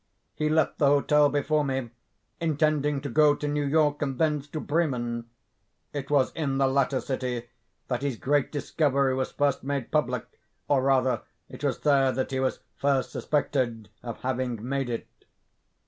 He left the hotel before me, intending to go to New York, and thence to Bremen; it was in the latter city that his great discovery was first made public; or, rather, it was there that he was first suspected of having made it.